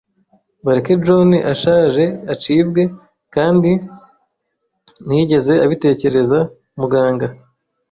bareke John ashaje acibwe, kandi ntiyigeze abitekereza, muganga. ”